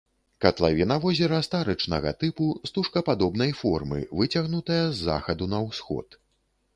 Катлавіна возера старычнага тыпу, стужкападобнай формы, выцягнутая з захаду на ўсход.